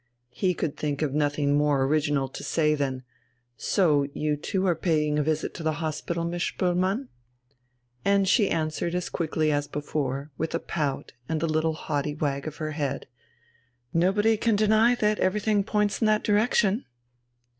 He could think of nothing more original to say than: "So you too are paying a visit to the hospital, Miss Spoelmann?" And she answered as quickly as before, with a pout and the little haughty wag of her head. "Nobody can deny that everything points in that direction."